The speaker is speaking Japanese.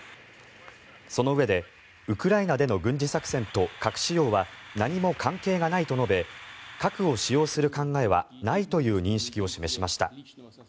そのうえで、ウクライナでの軍事作戦と核使用は何も関係がないと述べ核を使用する考えはないという認識を示しました。